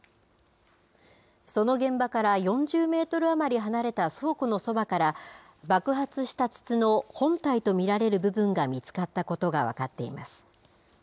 その現場から４０メートル余り離れた倉庫のそばから、爆発した筒の本体と見られる部分が見つかったことが分かっています。